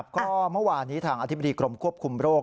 ก็เมื่อวานนี้ทางอธิบดีกรมควบคุมโรค